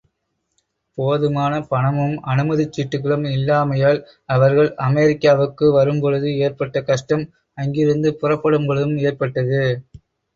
போதுமான பனமும் அனுமதிச் சிட்டுக்களும் இல்லாமையால், அவர்கள் அமெரிக்காவுக்கு வரும்பொழுது ஏற்பட்ட கஷ்டம் அங்கிருந்து புறப்படும் பொழுதும் ஏற்பட்டது.